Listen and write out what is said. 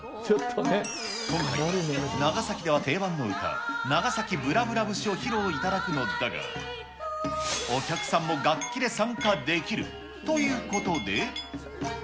今回は長崎では定番の唄、長崎ぶらぶら節を披露いただくのだが、お客さんも楽器で参加できるということで。